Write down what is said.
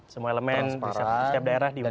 semua elemen di setiap daerah dibangun